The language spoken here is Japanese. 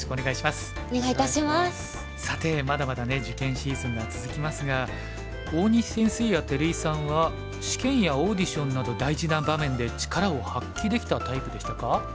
さてまだまだね受験シーズンが続きますが大西先生や照井さんは試験やオーディションなど大事な場面で力を発揮できたタイプでしたか？